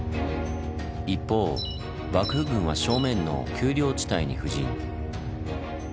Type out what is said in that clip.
一方幕府軍は正面の丘陵地帯に布陣。